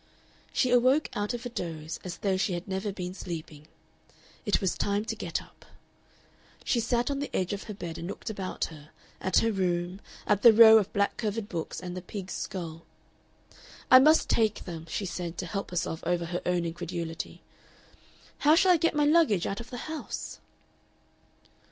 She awoke out of a doze, as though she had never been sleeping. It was time to get up. She sat on the edge of her bed and looked about her, at her room, at the row of black covered books and the pig's skull. "I must take them," she said, to help herself over her own incredulity. "How shall I get my luggage out of the house?..."